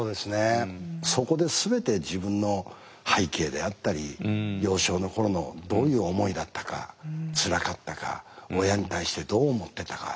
そこで全て自分の背景であったり幼少の頃のどういう思いだったかつらかったか親に対してどう思ってたか。